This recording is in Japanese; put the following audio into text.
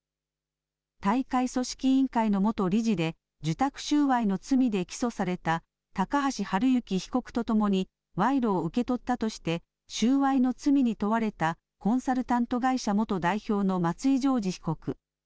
大会組織委員会の元理事で、受託収賄の罪で起訴された、高橋治之被告と共にわいろを受け取ったとして収賄の罪に問われたコンサルタント会社元代表の松井譲二被告。